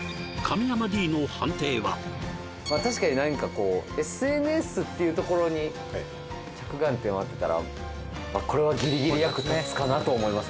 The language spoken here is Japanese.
確かに何かこうＳＮＳっていうところに着眼点を当てたらこれはギリギリ役立つかなと思います